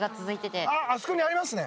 あそこにありますね！